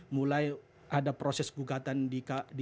mulai ada proses gugatan di mahkamah konstitusi